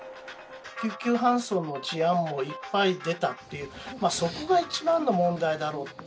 救急搬送の事案もいっぱい出たっていう、そこが一番の問題だろうと。